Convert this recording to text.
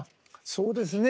そうですね。